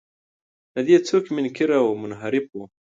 له دې څوک منکر او منحرف و.